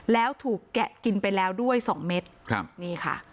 แล้วถูกแกะกินไปแล้วด้วยสองเม็ดครับนี่ค่ะ